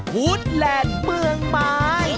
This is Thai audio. ๓หูดแหล่นเมืองไม้